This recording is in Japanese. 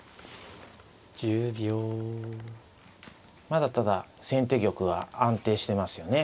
まだただ先手玉は安定してますよね。